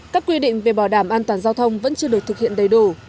các quy định về bảo đảm an toàn giao thông vẫn chưa được thực hiện đầy đủ